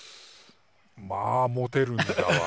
まあモテるんだわ。